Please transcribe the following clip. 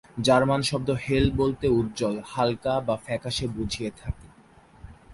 German শব্দ "hell" বলতে "উজ্জ্বল", "হালকা" বা "ফ্যাকাশে" বুঝিয়ে থাকে।